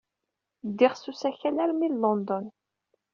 Ddiɣ s usakal armi d London.